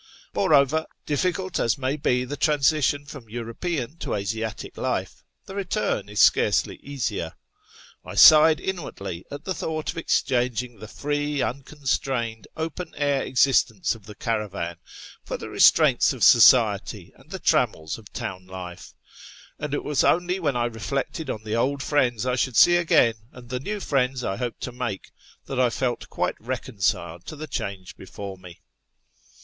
Moreover, difficult as may be the transition from European to Asiatic life, the return is scarcely easier. I sighed inwardly at the thought of exchanging the free, unconsLrained, open air existence of the caravan for the restraints of society and the trammels of town life ; and it was only when I reflected on the old friends I should see again, and the new friends I hoped to make, that I felt quite reconciled to the change before me.